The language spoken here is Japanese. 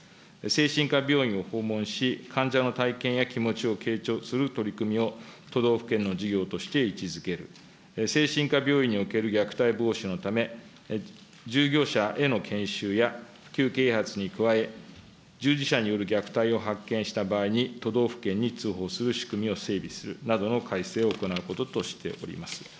精神科病院を訪問し、患者の体験や気持ちを敬重する取り組みを都道府県の事業として位置づける、精神科病院における虐待防止のため、従業者への研修や普及啓発に加え、従事者による虐待を発見した場合に都道府県に通報する仕組みを整備するなどの改正を行うこととしております。